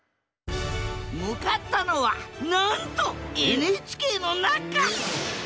向かったのはなんとＮＨＫの中！